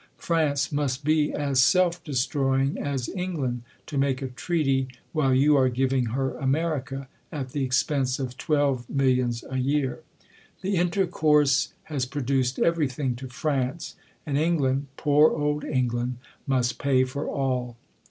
France must be as self destroying as England, to make a treaty while you arc giving her America, at the ex pense of twelve millions a year. The intercourse has produced eyery tiling to France ; and England, poor old England must pay for all.